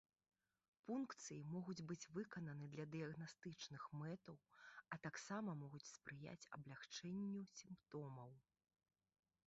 Пункцыі могуць быць выкананы для дыягнастычных мэтаў, а таксама могуць спрыяць аблягчэнню сімптомаў.